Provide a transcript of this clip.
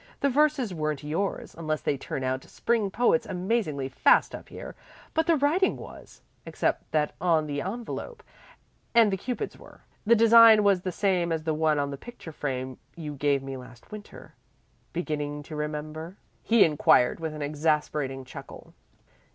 The verses weren't yours, unless they turn out spring poets amazingly fast up here, but the writing was, except that on the envelope, and the Cupids were. The design was the same as the one on the picture frame you gave me last winter. Beginning to remember?" he inquired with an exasperating chuckle.